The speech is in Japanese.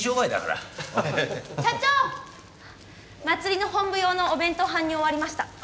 祭りの本部用のお弁当搬入終わりました。